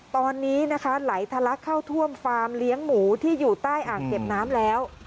ตอนนี้นะคะไหลทะลักเข้าท่วมฟาร์มเลี้ยงหมูที่อยู่ใต้อ่างเก็บน้ำแล้ว